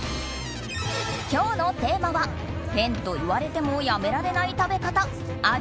今日のテーマは変と言われてもやめられない食べ方ある？